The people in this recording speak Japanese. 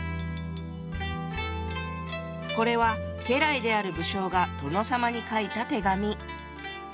これは家来である武将が殿様に書いた手紙。